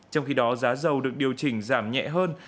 trong khi đó giá dầu được điều chỉnh giảm nhẹ hơn